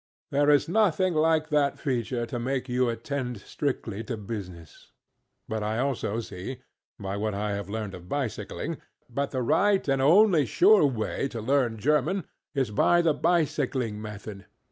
There is nothing like that feature to make you attend strictly to business. But I also see, by what I have learned of bicycling, that the right and only sure way to learn German is by the bicycling method.